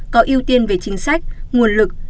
có ưu tiên về chính sách nguồn lực